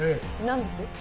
何です？